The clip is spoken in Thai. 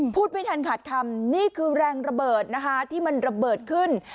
พูดไม่ทันขาดคำนี่คือแรงระเบิดนะคะที่มันระเบิดขึ้น